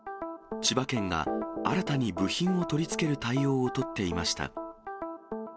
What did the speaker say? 千葉県が新たに部品を取り付ける対応を取っていました。